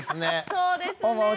そうですね。